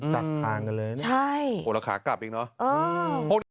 ตัดทางกันเลยนะโหแล้วขากลับอีกเนอะ